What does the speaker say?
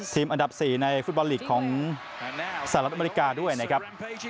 อันดับ๔ในฟุตบอลลีกของสหรัฐอเมริกาด้วยนะครับ